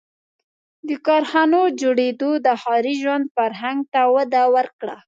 • د کارخانو جوړېدو د ښاري ژوند فرهنګ ته وده ورکړه.